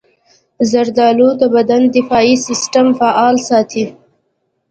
زردالو د بدن دفاعي سستم فعال ساتي.